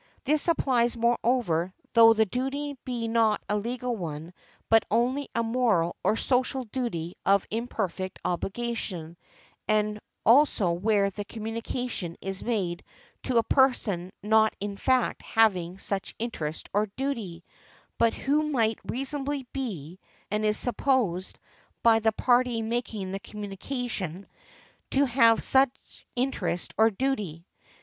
This applies, moreover, though the duty be not a legal one, but only a moral or social duty of imperfect obligation, and also where the communication is made to a person not in fact having such interest or duty, but who might reasonably be, and is supposed by the party making the communication to have such interest or duty .